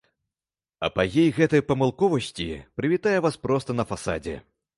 Апагей гэтай памылковасці прывітае вас проста на фасадзе.